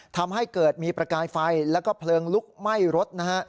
ทำให้เกิดมีประกายไฟแล้วก็เพลิงลุกไหม้รถนะฮะ